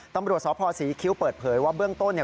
ตำรวจสพศรีคิ้วเปิดเผยว่าเบื้องต้นเนี่ย